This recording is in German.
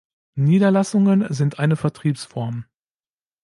Niederlassungen sind eine Vertriebsform.